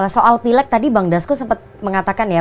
soal pilek tadi bang dasko sempat mengatakan ya